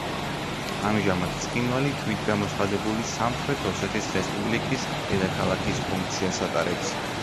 ამჟამად ცხინვალი თვითგამოცხადებული „სამხრეთ ოსეთის რესპუბლიკის“ დედაქალაქის ფუნქციას ატარებს.